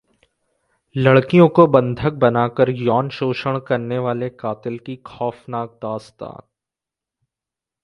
लड़कियों को बंधक बनाकर यौनशोषण करने वाले कातिल की खौफनाक दास्तान